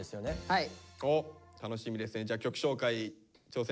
はい！